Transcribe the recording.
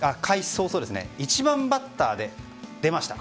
早々１番バッターで出ました。